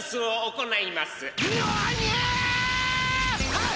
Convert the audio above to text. はい！